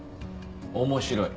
面白い。